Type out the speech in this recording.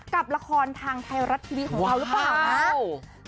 กับละครทางไทยรัฐทีวีของเราหรือเปล่านะ